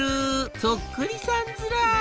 「そっくりさんずら」。